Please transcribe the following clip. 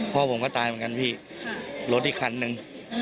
พ่อผมก็ตายเหมือนกันพี่รถอีกคันนึง